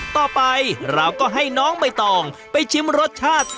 ต่อไปเราก็ให้น้องใบตองไปชิมรสชาติ